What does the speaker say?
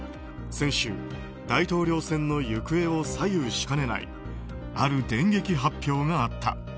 先週、大統領選の行方を左右しかねないある電撃発表があった。